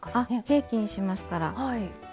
ケーキにしますから。